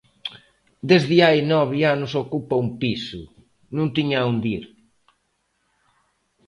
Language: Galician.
Desde hai nove anos ocupa un piso, non tiña a onde ir.